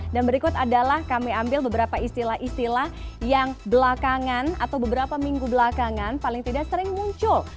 dan berikut adalah kami ambil beberapa istilah istilah yang belakangan atau beberapa minggu belakangan paling tidak sering muncul